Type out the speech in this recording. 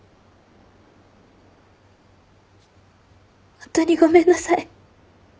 本当にごめんなさい。